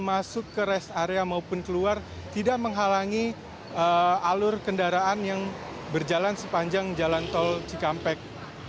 masuk ke rest area maupun keluar tidak menghalangi alur kendaraan yang berjalan sepanjang jalan tol cikampek